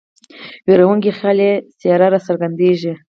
ویرونکې خیالي څېره را څرګندیږي.